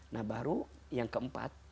nah baru yang keempat